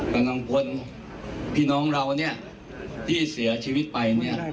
กำลังพลพี่น้องเราเนี่ยที่เสียชีวิตไปเนี่ย